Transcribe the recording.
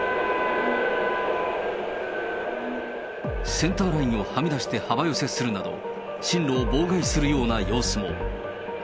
センターラインをはみ出して幅寄せするなど、進路を妨害するような様子も。